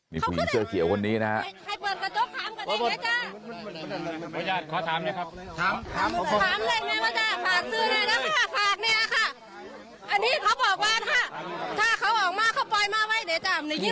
นี่ผู้หญิงเสื้อเขียวคนนี้นะครับ